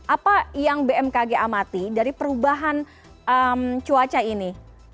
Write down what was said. apa yang bmkg amati dari perubahan cuaca ini